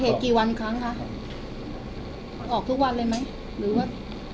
ก่อเหตุกี่วันครั้งค่ะออกทุกวันเลยไหมหรือว่า